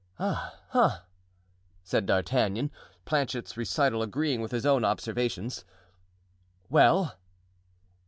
"Ah ah!" said D'Artagnan, Planchet's recital agreeing with his own observations. "Well?"